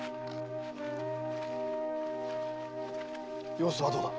様子はどうだ？